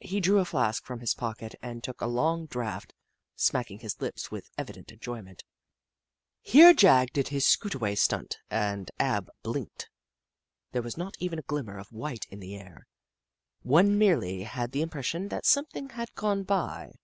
He drew a flask from his pocket and took a long draught, smacking his lips with evident en joyment. Here Jagg did his Skootaway stunt, and Ab blinked. There was not even a glimmer of white in the air — one merely had the im pression that something had gone by.